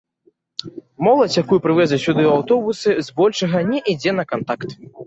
Моладзь, якую прывезлі сюды аўтобусы, збольшага не ідзе на кантакт.